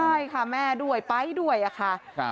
ใช่ค่ะแม่ด้วยป๊ายด้วยค่ะ